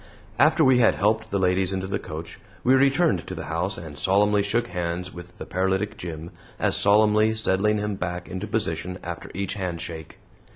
After we had helped the ladies into the coach, we returned to the house and solemnly shook hands with the paralytic Jim, as solemnly settling him back into position after each handshake.